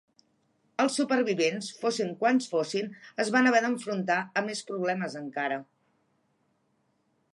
Els supervivents, fossin quants fossin, es van haver d'enfrontar a més problemes encara.